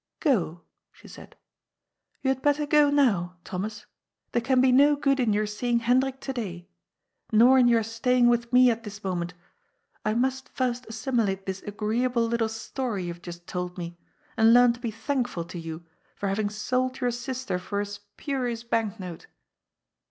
" Go," she said. " You had better go now, Thomas. There can be no good in your seeing Hendrik to day. Nor in your staying with me at this moment. I must first as rimilate thS ^reeable little story you have just told me. and learn to be thankful to you for having sold your sister for a spurious bank note."